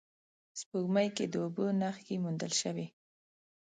سپوږمۍ کې د اوبو نخښې موندل شوې